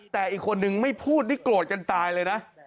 แต่อีกคนนึงไม่พูดนี่โกรธกันตายเลยนะ